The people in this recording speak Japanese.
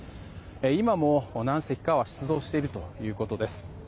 今も何隻かは出動しているということです。